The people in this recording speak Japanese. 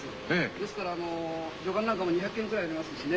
ですからあのりょかんなんかも２００けんくらいありますしね。